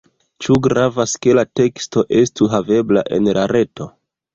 Ĉu gravas, ke la teksto estu havebla en la reto?